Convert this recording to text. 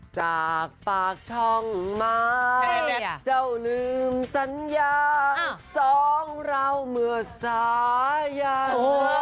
จากปากช่องมาเจ้าลืมสัญญาสองเราเมื่อสายัน